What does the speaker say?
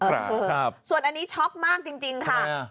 เออซัพส่วนอันนี้โชคมากจริงจริงค่ะอะไรน่ะ